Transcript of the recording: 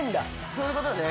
そういうことね。